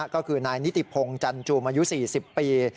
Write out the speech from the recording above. ก็คือนายนิติพงศ์จันจูมอายุ๔๐ปี